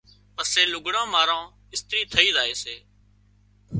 پسي لُگھڙان ماران اِسترِي ٿئي زائي سي۔